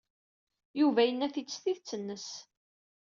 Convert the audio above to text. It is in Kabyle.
Yuba yenna-t-id s tidet-nnes.